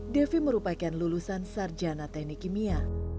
devi merupakan lulusan sarjana teknik kimia